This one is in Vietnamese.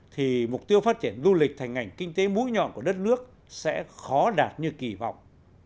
thì mục tiêu phát triển du lịch thành ngành kinh tế mũi nhọn của đất nước sẽ khó đạt như kỳ vọng